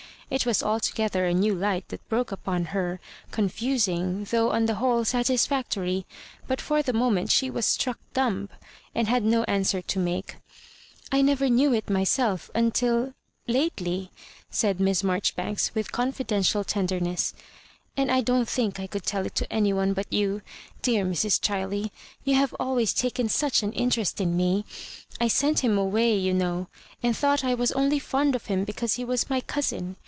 It was alto gether a new light that broke upon her, con fusing though on the whole satisfactory; but for the moment she was struck dumb, and had no answer to make. "I never knew it myself until— lately," said Miss Marjoribanks with confidential tenderness, " and I don't think I could tell it to any one but you. Dear Mrs. Ghiley, you have always taken such an interest in me I I sent him away, you know, and thought I was only fond of him be cause he was my cousin.